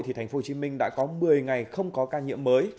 thì tp hcm đã có một mươi ngày không có ca nhiễm mới